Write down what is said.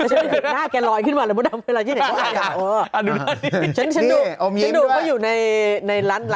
หน้าแกลอยขึ้นมาอะไรเมื่อเดียว